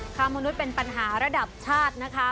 ค้ามนุษย์เป็นปัญหาระดับชาตินะคะ